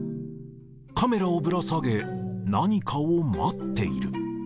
カメラをぶら下げ、何かを待っている。